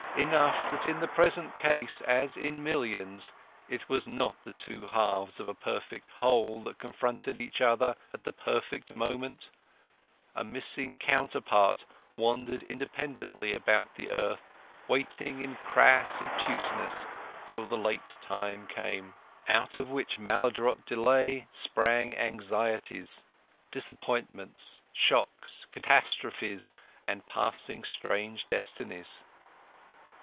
Enough that in the present case, as in millions, it was not the two halves of a perfect whole that confronted each other at the perfect moment; a missing counterpart wandered independently about the earth waiting in crass obtuseness till the late time came. Out of which maladroit delay sprang anxieties, disappointments, shocks, catastrophes, and passing strange destinies.